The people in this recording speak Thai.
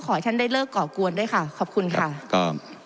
ขอบคุณค่ะ